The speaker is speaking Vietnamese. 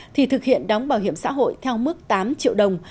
thì thực hiện đóng bảo hiểm xã hội theo mức tám triệu đồng